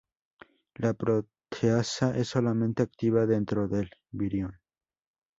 La proteasa es solamente activa dentro del virión.